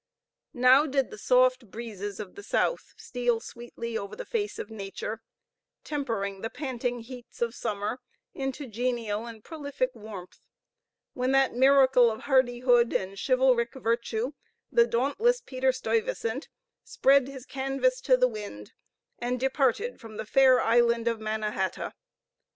Now did the soft breezes of the south steal sweetly over the face of nature, tempering the panting heats of summer into genial and prolific warmth, when that miracle of hardihood and chivalric virtue, the dauntless Peter Stuyvesant, spread his canvas to the wind, and departed from the fair island of Manna hata.